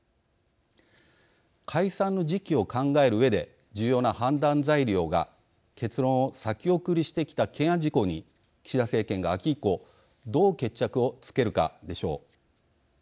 解散の時期を考えるうえで重要な判断材料が結論を先送りしてきた懸案事項に岸田政権が秋以降どう決着をつけるかでしょう。